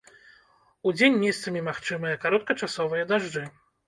Удзень месцамі магчымыя кароткачасовыя дажджы.